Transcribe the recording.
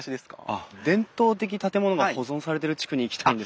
あっ伝統的建物が保存されてる地区に行きたいんですけど。